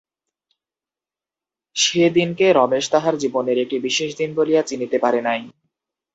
সে দিনকে রমেশ তাহার জীবনের একটি বিশেষ দিন বলিয়া চিনিতে পারে নাই।